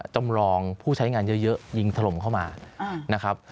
จำลองผู้ใช้งานเยอะยิงถล่มเข้ามานะครับ